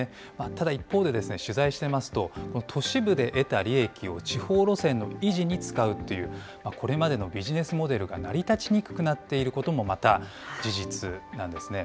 ただ一方で、取材していますと、都市部で得た利益を地方路線の維持に使うという、これまでのビジネスモデルが成り立ちにくくなっていることもまた、事実なんですね。